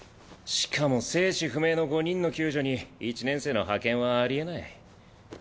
しかも生死不明の５人の救助に一年生の派遣はありえない。